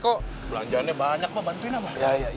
belanjaannya banyak pak bantuinlah pak